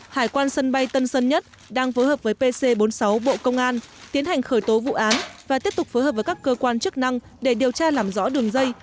hải quan sân bay tân sơn nhất đang phối hợp với pc bốn mươi sáu bộ công an tiến hành khởi tố vụ án và tiếp tục phối hợp với các cơ quan chức năng để điều tra làm rõ đường dây